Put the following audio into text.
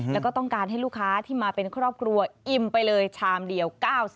แล้วก็ต้องการให้ลูกค้าที่มาเป็นครอบครัวอิ่มไปเลยชามเดียว๙๐